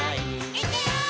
「いくよー！」